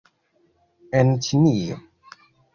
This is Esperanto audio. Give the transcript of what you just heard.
En Ĉinio